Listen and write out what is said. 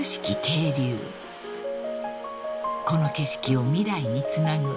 ［この景色を未来につなぐ］